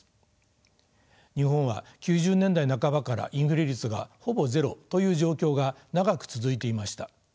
日本は９０年代半ばからインフレ率がほぼゼロという状況が長く続いていました。